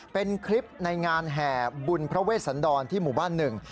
เป็นคลิปในงานแห่บุญพระเวชสันดรที่หมู่บ้านหนึ่ง